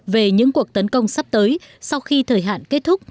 về những cuộc tấn công sắp tới sau khi thời hạn kết thúc